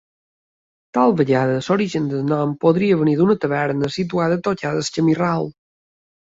Tal vegada l'origen del nom podria venir d'una taverna situada a tocar del camí ral.